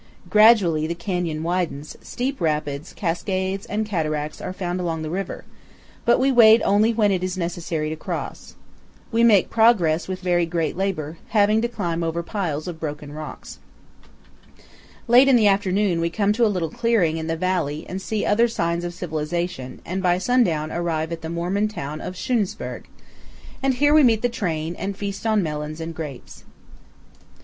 Gradually the canyon widens; steep rapids, cascades, and cataracts are found along the river, but we wade only when it is necessary to cross. We make progress with very great labor, having to climb over piles of broken rocks. THE RIO VIRGEN AND THE UINKARET MOUNTAINS. 295 Late in the afternoon we come to a little clearing in the valley and see other signs of civilization and by sundown arrive at the Mormon town powell canyons 184.jpg ENTRANCE TO PARU'NUWEAP. of Schunesburg; and here we meet the train, and feast on melons and grapes.